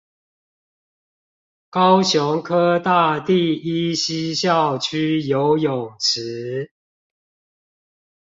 高雄科大第一西校區游泳池